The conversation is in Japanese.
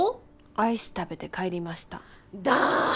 アイス食べて帰りましただあ！